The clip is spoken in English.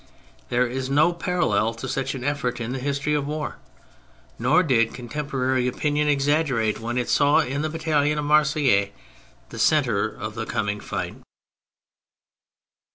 There is no parallel to such an effort in the history of war, nor did contemporary opinion exaggerate when it saw in the battalion of Marseilles the centre of the coming fight.